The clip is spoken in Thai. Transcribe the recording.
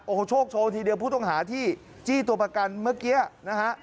โอ้โหโชคโชว์ทีเดียวผู้ต้องหาที่จี้ตัวประกันเมื่อกี้นะฮะ